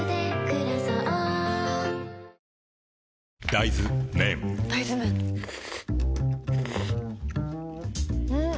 大豆麺ん？